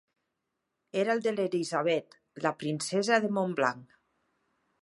Era el de l'Elisabet, la princesa de Montblanc.